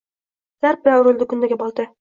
Zarb bilan urildi kundaga bolta —